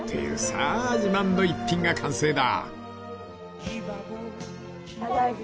［さあ自慢の逸品が完成だ］